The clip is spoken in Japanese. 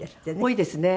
多いですね。